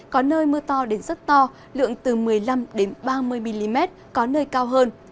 có nơi mưa to đến rất to lượng từ một mươi năm ba mươi mm có nơi cao hơn